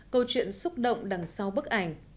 câu chuyện xúc động đằng sau bức ảnh